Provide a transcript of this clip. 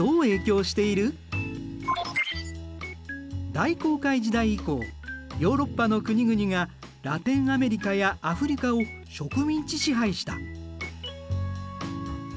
大航海時代以降ヨーロッパの国々がラテンアメリカやアフリカを植民地支配した。